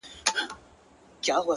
ته خوله لکه ملا ته چي زکار ورکوې;